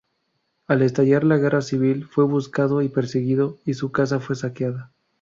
Al estallar la Guerra Civil, fue buscado y perseguido y su casa fue saqueada.